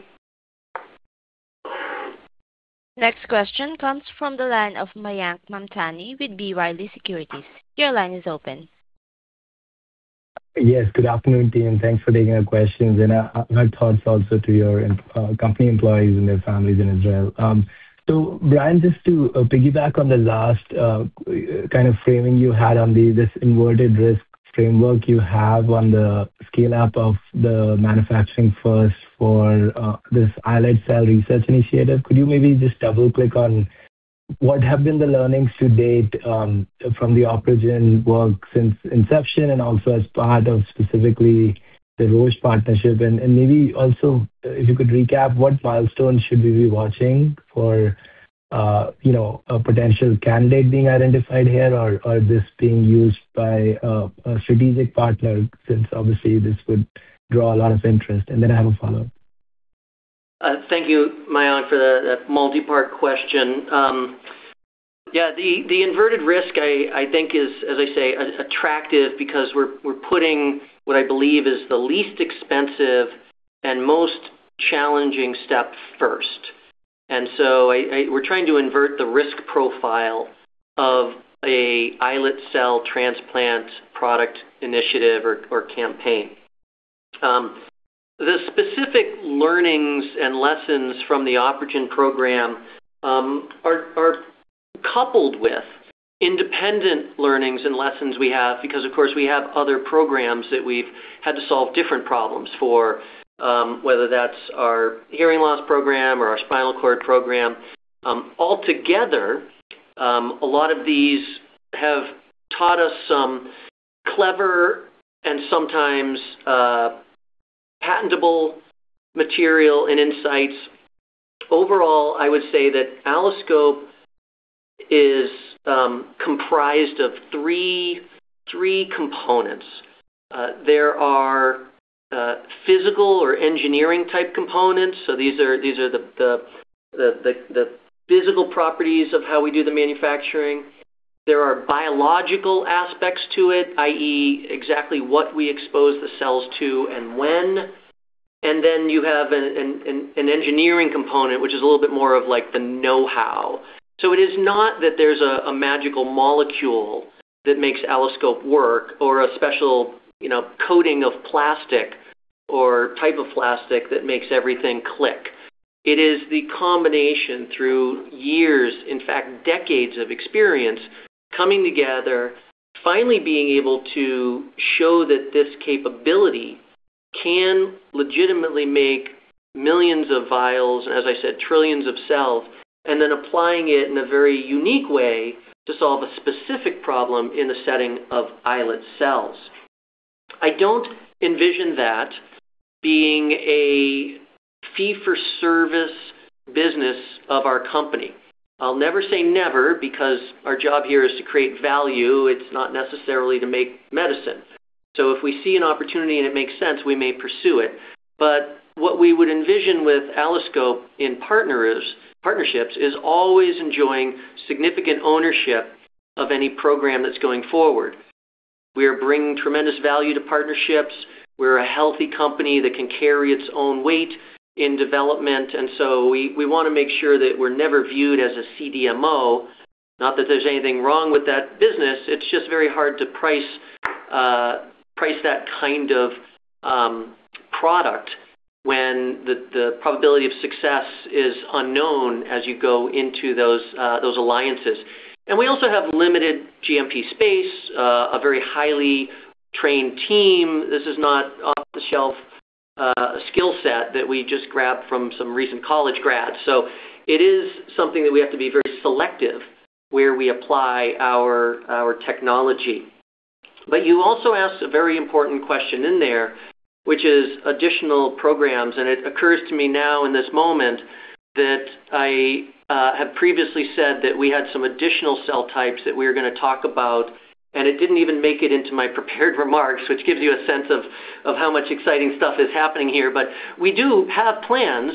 Next question comes from the line of Mayank Mamtani with B. Riley Securities. Your line is open. Yes, good afternoon, team. Thanks for taking our questions and our thoughts also to your company employees and their families in Israel. Brian, just to piggyback on the last kind of framing you had on this inverted risk framework you have on the scale-up of the manufacturing first for this islet cell research initiative, could you maybe just double-click on what have been the learnings to date from the origin work since inception and also as part of specifically the Roche partnership? Maybe also if you could recap what milestones should we be watching for, you know, a potential candidate being identified here or this being used by a strategic partner since obviously this would draw a lot of interest? Then I have a follow up. Thank you Mayank for the multi-part question. Yeah, the inverted risk I think is, as I say, attractive because we're putting what I believe is the least expensive and most challenging step first. We're trying to invert the risk profile of a islet cell transplant product initiative or campaign. The specific learnings and lessons from the OpRegen program are coupled with independent learnings and lessons we have because of course we have other programs that we've had to solve different problems for, whether that's our hearing loss program or our spinal cord program. Altogether, a lot of these have taught us some clever and sometimes patentable material and insights. Overall, I would say that AlloSCOPE is comprised of three components. There are physical or engineering type components. These are the physical properties of how we do the manufacturing. There are biological aspects to it, i.e., exactly what we expose the cells to and when. Then you have an engineering component, which is a little bit more of like the know-how. It is not that there's a magical molecule that makes AlloSCOPE work or a special, you know, coating of plastic or type of plastic that makes everything click. It is the combination through years, in fact, decades of experience coming together, finally being able to show that this capability can legitimately make millions of vials, as I said, trillions of cells, and then applying it in a very unique way to solve a specific problem in the setting of islet cells. I don't envision that being a fee-for-service business of our company. I'll never say never because our job here is to create value. It's not necessarily to make medicine. If we see an opportunity and it makes sense, we may pursue it. What we would envision with AlloSCOPE in partnerships is always enjoying significant ownership of any program that's going forward. We are bringing tremendous value to partnerships. We're a healthy company that can carry its own weight in development, we wanna make sure that we're never viewed as a CDMO. Not that there's anything wrong with that business, it's just very hard to price that kind of product when the probability of success is unknown as you go into those alliances. We also have limited GMP space, a very highly trained team. This is not off-the-shelf skill set that we just grabbed from some recent college grads. It is something that we have to be very selective where we apply our technology. You also asked a very important question in there, which is additional programs. It occurs to me now in this moment that I have previously said that we had some additional cell types that we're gonna talk about, and it didn't even make it into my prepared remarks, which gives you a sense of how much exciting stuff is happening here. We do have plans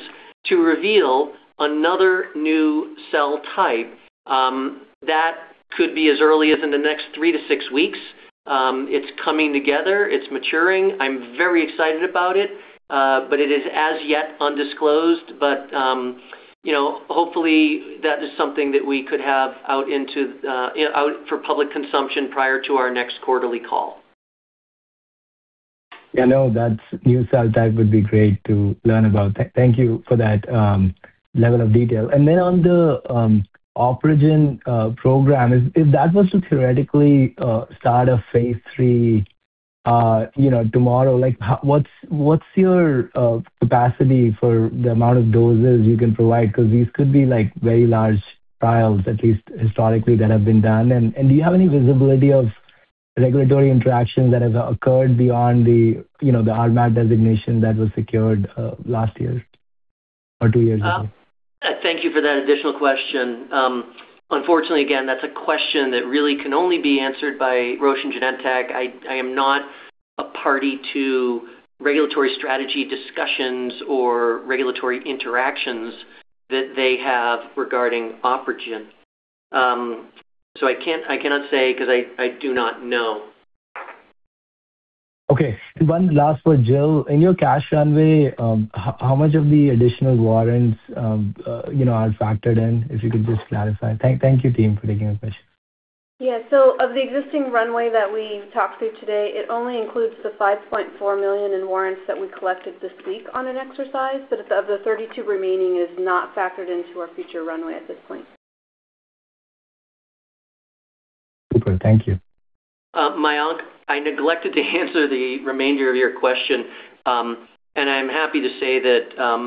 to reveal another new cell type that could be as early as in the next 3 to 6 weeks. It's coming together. It's maturing. I'm very excited about it, but it is as yet undisclosed. You know, hopefully that is something that we could have out into, you know, out for public consumption prior to our next quarterly call. Yeah, no, that new cell type would be great to learn about. Thank you for that level of detail. Then on the OpRegen program, if that was to theoretically start a phase III, you know, tomorrow, what's your capacity for the amount of doses you can provide? Because these could be like very large trials, at least historically, that have been done. Do you have any visibility of regulatory interaction that has occurred beyond the, you know, the RMAT designation that was secured last year or 2 years ago? Thank you for that additional question. Unfortunately, again, that's a question that really can only be answered by Roche and Genentech. I am not a party to regulatory strategy discussions or regulatory interactions that they have regarding OpRegen. I cannot say because I do not know. Okay. One last for Jill. In your cash runway, how much of the additional warrants, you know, are factored in? If you could just clarify. Thank you, team, for taking the question. Yeah. Of the existing runway that we talked through today, it only includes the $5.4 million in warrants that we collected this week on an exercise. Of the $32 remaining is not factored into our future runway at this point. Super. Thank you. Mayank, I neglected to answer the remainder of your question. I'm happy to say that,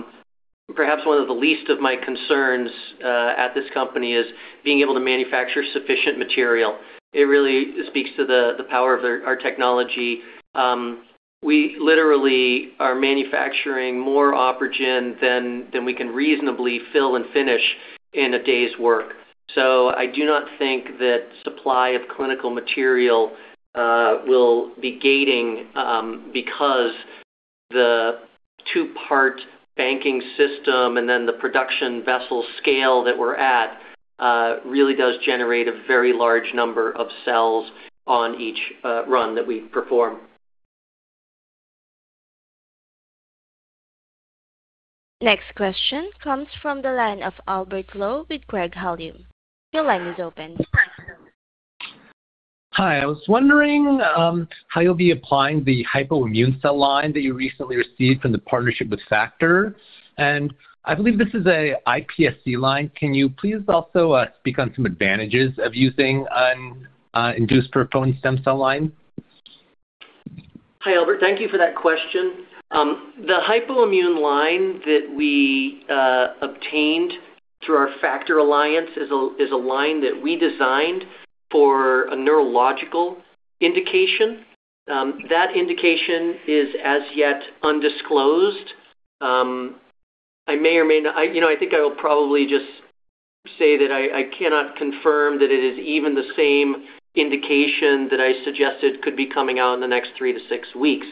perhaps one of the least of my concerns at this company is being able to manufacture sufficient material. It really speaks to the power of our technology. We literally are manufacturing more OpRegen than we can reasonably fill and finish in a day's work. I do not think that supply of clinical material will be gating because the two-part banking system and then the production vessel scale that we're at really does generate a very large number of cells on each run that we perform. Next question comes from the line of Albert Lowe with Craig-Hallum. Your line is open. Hi. I was wondering, how you'll be applying the hypoimmune cell line that you recently received from the partnership with Factor, and I believe this is a iPSC line. Can you please also, speak on some advantages of using an induced Pluripotent Stem Cell line? Hi, Albert. Thank you for that question. The hypoimmune line that we obtained through our Factor alliance is a line that we designed for a neurological indication. That indication is as yet undisclosed. I may or may not. You know, I think I will probably just say that I cannot confirm that it is even the same indication that I suggested could be coming out in the next three to six weeks.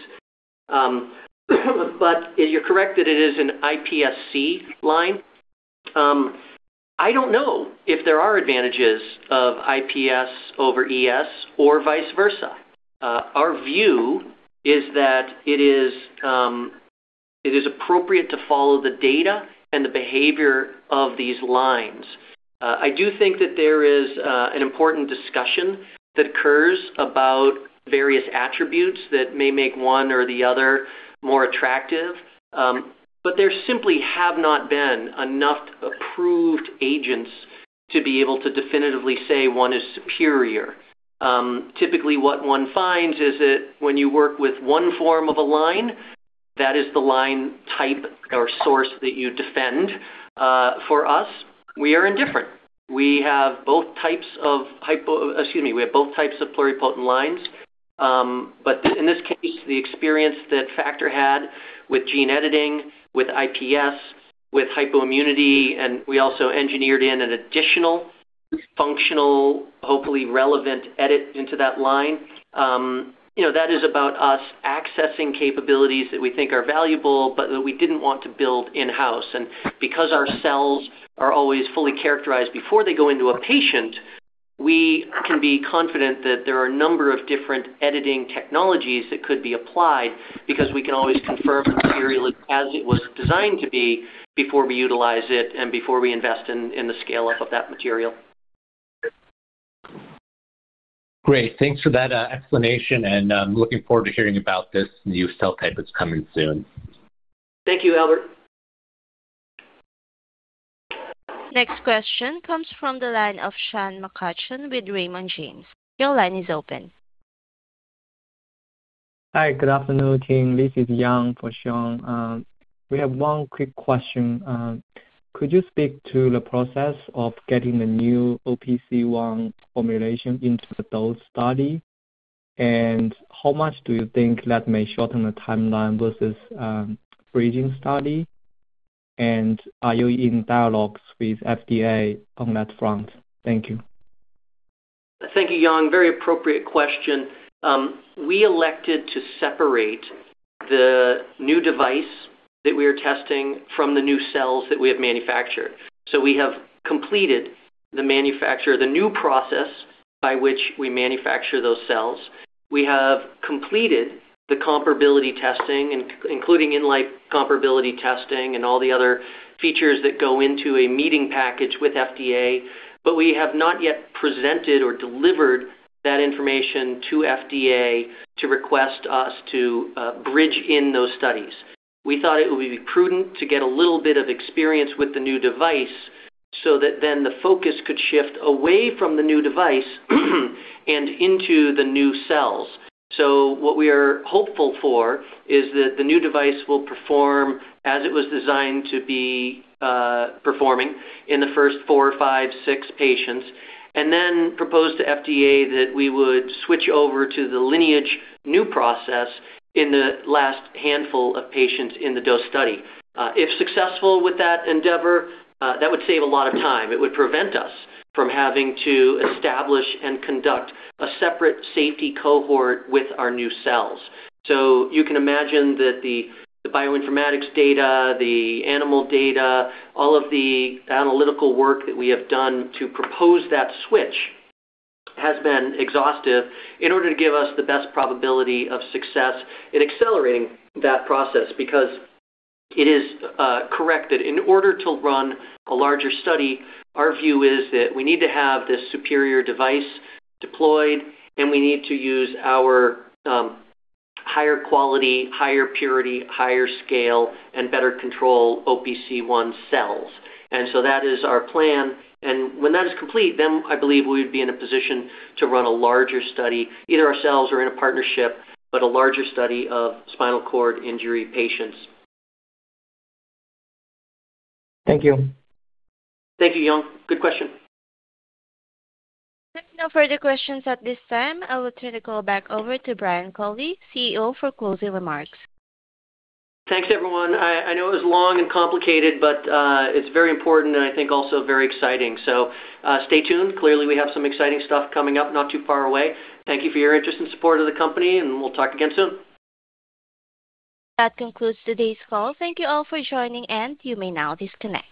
You're correct that it is an iPSC line. I don't know if there are advantages of iPS over ES or vice versa. Our view is that it is appropriate to follow the data and the behavior of these lines. I do think that there is an important discussion that occurs about various attributes that may make one or the other more attractive. There simply have not been enough approved agents to be able to definitively say one is superior. Typically, what one finds is that when you work with one form of a line, that is the line type or source that you defend. For us, we are indifferent. We have both types of pluripotent lines. In this case, the experience that Factor had with gene editing, with iPSC, with hypoimmunity, and we also engineered in an additional functional, hopefully relevant edit into that line. You know, that is about us accessing capabilities that we think are valuable but that we didn't want to build in-house. Because our cells are always fully characterized before they go into a patient, we can be confident that there are a number of different editing technologies that could be applied because we can always confirm the material as it was designed to be before we utilize it and before we invest in the scale-up of that material. Great. Thanks for that explanation, and I'm looking forward to hearing about this new cell type that's coming soon. Thank you, Albert. Next question comes from the line of Sean McCutcheon with Raymond James. Your line is open. Hi. Good afternoon, team. This is Yang for Sean. We have one quick question. Could you speak to the process of getting the new OPC1 formulation into the DOSED study? How much do you think that may shorten the timeline versus bridging study? Are you in dialogues with FDA on that front? Thank you. Thank you, Yang. Very appropriate question. We elected to separate the new device that we are testing from the new cells that we have manufactured. We have completed the manufacture, the new process by which we manufacture those cells. We have completed the comparability testing including in life comparability testing and all the other features that go into a meeting package with FDA. We have not yet presented or delivered that information to FDA to request us to bridge in those studies. We thought it would be prudent to get a little bit of experience with the new device so that then the focus could shift away from the new device and into the new cells. What we are hopeful for is that the new device will perform as it was designed to be, performing in the first four, five, six patients, and then propose to FDA that we would switch over to the Lineage new process in the last handful of patients in the DOSED study. If successful with that endeavor, that would save a lot of time. It would prevent us from having to establish and conduct a separate safety cohort with our new cells. You can imagine that the bioinformatics data, the animal data, all of the analytical work that we have done to propose that switch has been exhaustive in order to give us the best probability of success in accelerating that process because it is correct that in order to run a larger study, our view is that we need to have this superior device deployed, and we need to use our higher quality, higher purity, higher scale, and better control OPC1 cells. That is our plan. When that is complete, then I believe we would be in a position to run a larger study, either ourselves or in a partnership, but a larger study of spinal cord injury patients. Thank you. Thank you, Yang. Good question. There's no further questions at this time. I will turn the call back over to Brian Culley, CEO, for closing remarks. Thanks, everyone. I know it was long and complicated, but it's very important and I think also very exciting, so stay tuned. Clearly, we have some exciting stuff coming up not too far away. Thank you for your interest and support of the company, and we'll talk again soon. That concludes today's call. Thank you all for joining. You may now disconnect.